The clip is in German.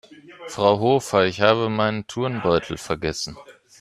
Frau Hofer, ich habe meinen Turnbeutel vergessen.